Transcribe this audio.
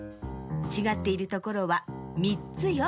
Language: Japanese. ちがっているところは３つよ。